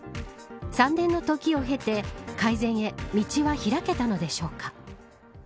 ３年の時を経て改善へ道は開けたのでしょうか。